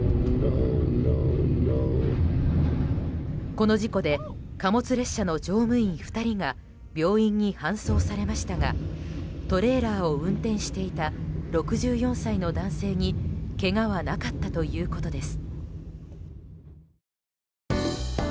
この事故で貨物列車の乗務員２人が病院に搬送されましたがトレーラーを運転していた６４歳の男性にけがはなかったということです。